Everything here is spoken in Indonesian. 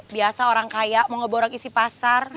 biasa orang orang yang berpikirnya gak mau ke pasar dulu